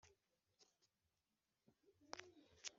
Ni ho natangiye kwivuza